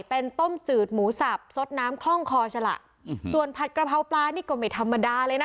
เป็นต้มจืดหมูสับสดน้ำคล่องคอสละอืมส่วนผัดกระเพราปลานี่ก็ไม่ธรรมดาเลยนะ